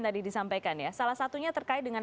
tadi disampaikan ya salah satunya terkait dengan